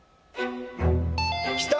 きた！